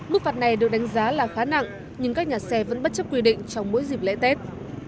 mức phạt này được đánh giá là khá nặng nhưng các nhà xe vẫn bất chấp quy định trong mỗi dịp lễ tết